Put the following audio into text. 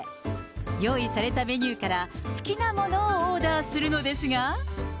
用意されたメニューから好きなものをオーダーするのですが。